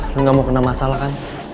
lo gak mau kena masalah kan